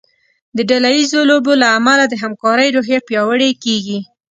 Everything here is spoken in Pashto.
د ډله ییزو لوبو له امله د همکارۍ روحیه پیاوړې کیږي.